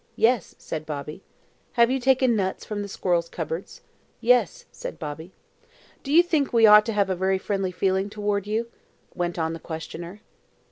"Yes," said Bobby. "Have you taken nuts from the squirrels' cupboards?" "Yes," said Bobby. "Do you think we ought to have a very friendly feeling towards you?" went on the questioner.